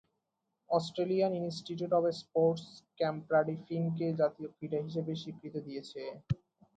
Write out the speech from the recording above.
Australian Institute of Sports ক্যাম্পড্রাফিংকে জাতীয় ক্রীড়া হিসেবে স্বীকৃতি দিয়েছে।